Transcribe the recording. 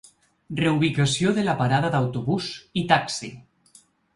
Reubicació de la parada d’autobús i taxi.